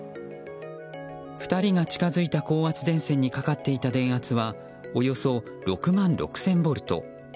２人が近づいた高圧電線にかかっていた電圧はおよそ６万６０００ボルト。